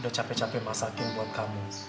udah capek capek masakin buat kamu